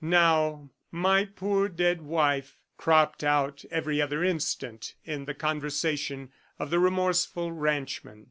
Now "my poor dead wife" cropped out every other instant in the conversation of the remorseful ranchman.